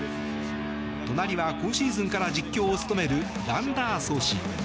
隣は今シーズンから実況を務めるランダーゾ氏。